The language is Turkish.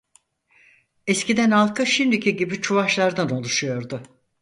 Eskiden halkı şimdiki gibi Çuvaşlardan oluşuyordu.